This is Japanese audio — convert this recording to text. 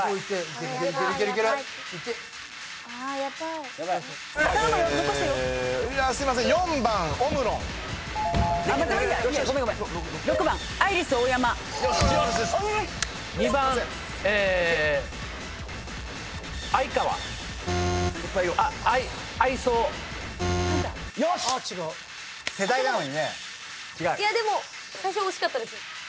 でも最初惜しかったですよ。